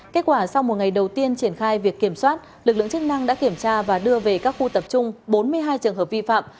kết quả sau một ngày đầu tiên triển khai việc kiểm soát lực lượng chức năng đã kiểm tra và đưa về các khu tập trung bốn mươi hai trường hợp vi phạm